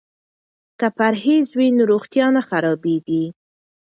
که پرهیز وي نو روغتیا نه خرابیږي.